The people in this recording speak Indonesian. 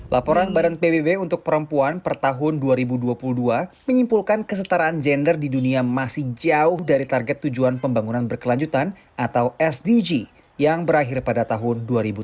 laporan badan pbb untuk perempuan per tahun dua ribu dua puluh dua menyimpulkan kesetaraan gender di dunia masih jauh dari target tujuan pembangunan berkelanjutan atau sdg yang berakhir pada tahun dua ribu dua puluh